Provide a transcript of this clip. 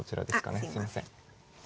あっすいません。